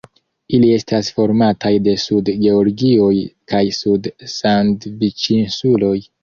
Ili estas formataj de Sud-Georgioj kaj Sud-Sandviĉinsuloj.